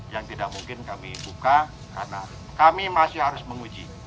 yang tidak mungkin kami buka karena kami masih harus menguji